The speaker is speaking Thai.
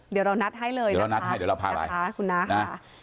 เดี๋ยวเรานัดให้เลยนะคะคุณน้าค่ะ